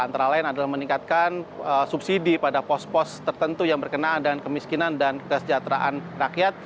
antara lain adalah meningkatkan subsidi pada pos pos tertentu yang berkenaan dengan kemiskinan dan kesejahteraan rakyat